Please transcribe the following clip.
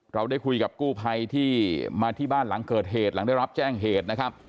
เราได้คุยกับกู้ภัยที่มาที่บ้านหลังเกิดเหตุหลังได้รับแจ้งเหตุนะครับ